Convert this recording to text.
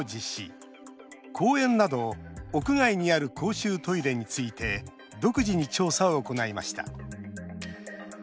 公園など、屋外にある公衆トイレについて独自に調査を行いました。